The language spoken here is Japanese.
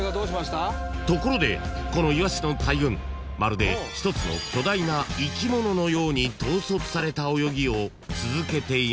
［ところでこのイワシの大群まるで１つの巨大な生き物のように統率された泳ぎを続けていますよね］